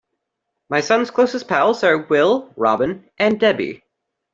My son's closest pals are Will, Robin and Debbie.